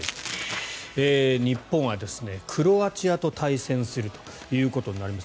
日本はクロアチアと対戦するということになります。